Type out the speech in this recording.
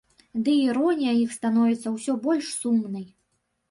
Дый іронія іх становіцца ўсё больш сумнай.